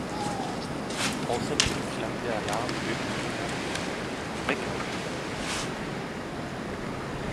Außerdem klang der Alarm irgendwie nach … Wecker!